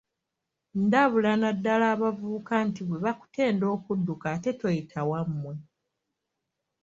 Ndabula naddala abavubuka nti bwe bakutenda okudduka ate toyita wammwe.